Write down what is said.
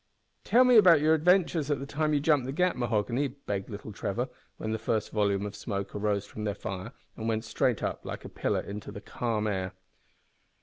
"Tell me about your adventure at the time you jumped the gap, Mahoghany," begged little Trevor, when the first volume of smoke arose from their fire and went straight up like a pillar into the calm air.